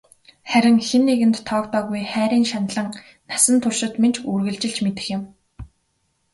Харин хэн нэгэнд тоогдоогүй хайрын шаналан насан туршид минь ч үргэлжилж мэдэх юм.